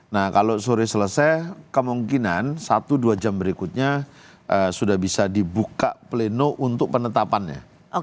nah kalau sore selesai kemungkinan satu dua jam berikutnya sudah bisa dibuka pleno untuk penetapannya